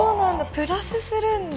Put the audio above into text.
プラスするんだ。